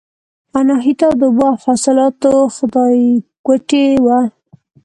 اناهیتا د اوبو او حاصلاتو خدایګوټې وه